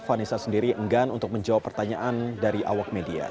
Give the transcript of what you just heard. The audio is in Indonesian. vanessa sendiri enggan untuk menjawab pertanyaan dari awak media